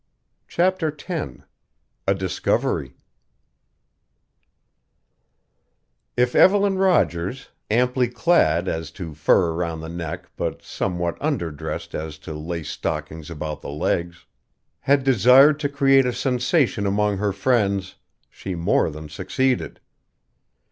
CHAPTER X A DISCOVERY If Evelyn Rogers, amply clad as to fur around the neck but somewhat under dressed as to lace stockings about the legs, had desired to create a sensation among her friends, she more than succeeded.